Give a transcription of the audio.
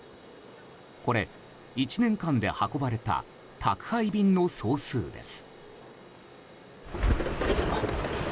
これ、１年間で運ばれた宅配便の総数です。